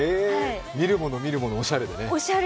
見るもの見るものおしゃれでね。